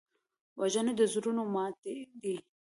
وژنه د زړونو ماتې ده